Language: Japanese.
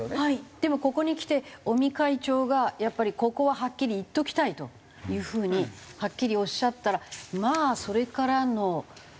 でもここにきて尾身会長がやっぱりここははっきり言っておきたいという風にはっきりおっしゃったらまあそれからの政府の冷たいこと。